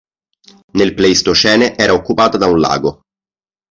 Nel Pleistocene era occupata da un lago.